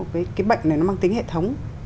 cái bệnh này nó mang tính hệ thống